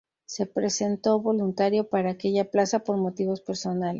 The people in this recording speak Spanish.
Se presentó voluntario para aquella plaza por motivos personales.